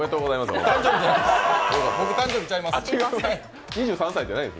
僕、誕生日、ちゃいます。